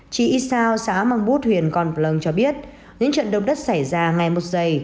chị y sao xã mong bút huyện con plong cho biết những trận động đất xảy ra ngày một dày